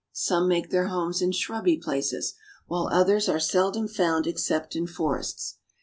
Some make their homes in shrubby places, while others are seldom found except in forests.